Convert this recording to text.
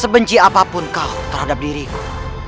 sebenci apapun kau terhadap diriku